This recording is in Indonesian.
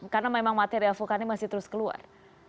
karena memang material vulkannya masih terus keluar